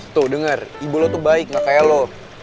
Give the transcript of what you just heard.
tuh denger ibu lo tuh baik gak kaya lo